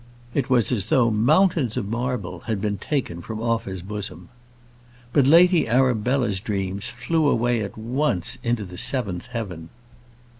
It was as though mountains of marble had been taken from off his bosom. But Lady Arabella's dreams flew away at once into the seventh heaven.